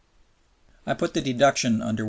I put the deduction under (i.)